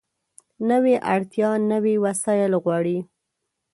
نوې اړتیا نوي وسایل غواړي